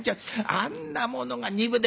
あんなものが２分で」。